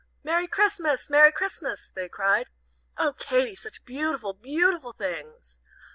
"Merry Christmas! Merry Christmas!" they cried. "Oh, Katy, such beautiful, beautiful things!"